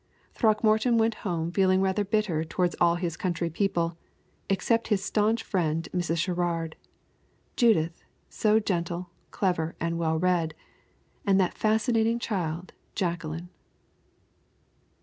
Throckmorton went home feeling rather bitter toward all his county people, except his stanch friend Mrs. Sherrard; Judith, so gentle, clever, and well read; and that fascinating child, Jacqueline.